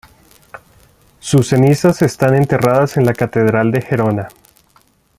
Sus cenizas están enterradas en la Catedral de Gerona.